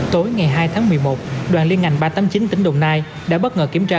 tối ngày hai tháng một mươi một đoàn liên ngành ba trăm tám mươi chín tỉnh đồng nai đã bất ngờ kiểm tra